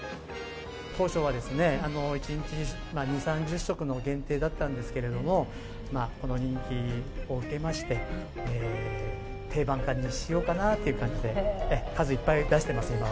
当初は１日２、３０食の限定だったんですけれども、この人気を受けまして、定番化にしようかなという感じで、数いっぱい、